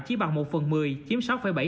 chỉ bằng một phần một mươi chiếm sáu bảy